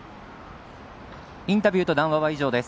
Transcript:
インタビューと談話は以上です。